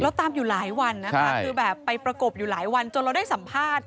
ตามอยู่หลายวันนะคะคือแบบไปประกบอยู่หลายวันจนเราได้สัมภาษณ์